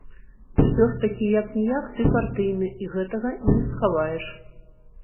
Усё ж такі як-ніяк ты партыйны і гэтага не схаваеш.